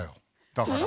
だから。